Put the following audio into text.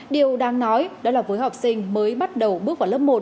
điều đáng nói đó là với học sinh mới bắt đầu bước vào lớp một